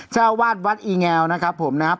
เจ้าวาดวัดอีแงวนะครับผมนะครับ